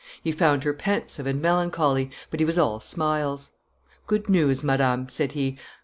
"He found her pensive and melancholy, but he was all smiles. 'Good news, madam,' said he.